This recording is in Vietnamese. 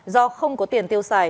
do không có tiền tiêu xài